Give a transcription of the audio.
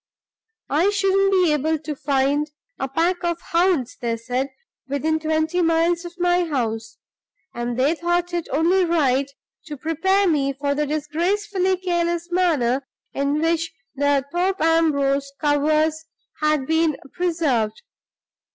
I shouldn't be able to find a pack of hounds, they said, within twenty miles of my house; and they thought it only right to prepare me for the disgracefully careless manner in which the Thorpe Ambrose covers had been preserved.